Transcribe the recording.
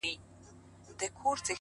ستا د سکروټو سترگو رنگ به سم” رڼا به سم”